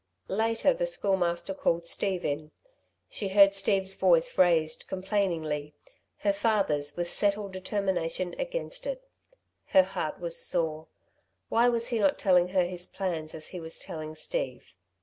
Later the Schoolmaster called Steve in. She heard Steve's voice raised complainingly, her father's, with settled determination, against it. Her heart was sore. Why was he not telling her his plans as he was telling Steve?